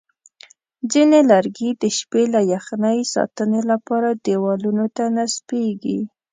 ځینې لرګي د شپې له یخنۍ ساتنې لپاره دیوالونو ته نصبېږي.